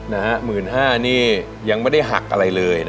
๑๕๐๐บาทนี่ยังไม่ได้หักอะไรเลยนะ